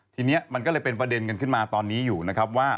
ทีนี้มันก็เลยเป็นประเด็นกันขึ้นมาตอนนี้อยู่นะครับว่า